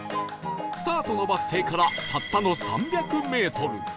スタートのバス停からたったの３００メートル